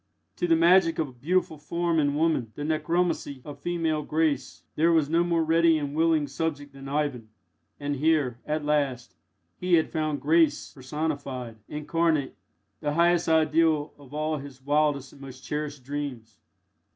To the magic of a beautiful form in woman the necromancy of female grace there was no more ready and willing subject than Ivan; and here, at last, he had found grace personified, incarnate, the highest ideal of all his wildest and most cherished dreams.